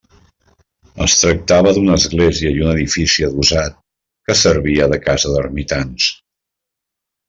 Es tractava d'una església i un edifici adossat que servia de casa d'ermitans.